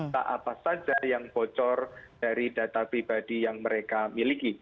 data apa saja yang bocor dari data pribadi yang mereka miliki